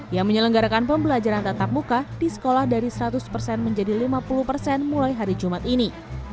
yang menyelenggarakan pembelajaran tatap muka di sekolah dari seratus persen menjadi lima puluh persen mulai hari jumat ini